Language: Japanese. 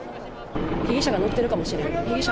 被疑者が乗ってるかもしれない。